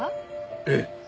ええ。